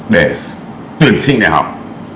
để tuyển sinh đại học